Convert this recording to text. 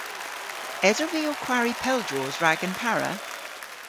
Esov vy ow kwari pel droos rag an para?